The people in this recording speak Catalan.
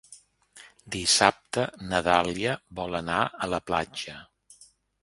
Dissabte na Dàlia vol anar a la platja.